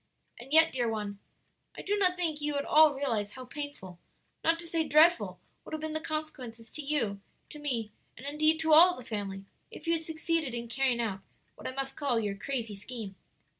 "And yet, dear one, I do not think you at all realize how painful not to say dreadful would have been the consequences to you, to me, and, indeed, to all the family, if you had succeeded in carrying out what I must call your crazy scheme."